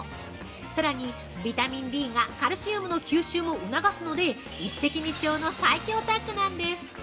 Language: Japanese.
さらに、ビタミンＤがカルシウムの吸収も促すので一石二鳥の最強タッグなんです。